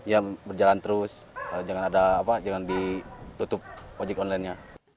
ya berjalan terus jangan ditutup ojek online nya